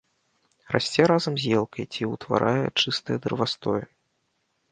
Расце разам з елкай ці ўтварае чыстыя дрэвастоі.